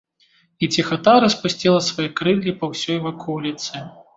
І ціхата распусціла свае крыллі па ўсёй ваколіцы.